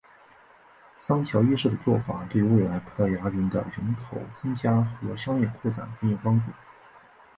桑乔一世的做法对未来葡萄牙的人口增加和商业扩展很有帮助。